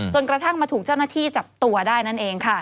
กระทั่งมาถูกเจ้าหน้าที่จับตัวได้นั่นเองค่ะ